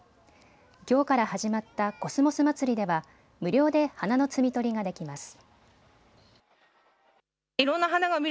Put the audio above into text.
きょうから始まったコスモスまつりでは無料で花の摘み取りができます。